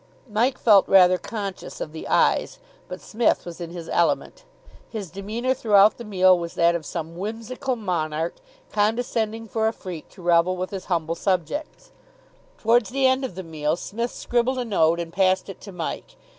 Mike felt rather conscious of the eyes, but Psmith was in his element. His demeanour throughout the meal was that of some whimsical monarch condescending for a freak to revel with his humble subjects. Towards the end of the meal Psmith scribbled a note and passed it to Mike.